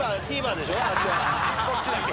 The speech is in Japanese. そっちだけ？